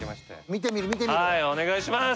見てみます。